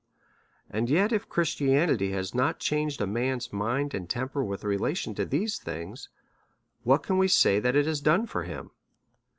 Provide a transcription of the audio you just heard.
And yet if Christianity has not changed a man's mind and temper with relation to these things, what can we say that it has done for him?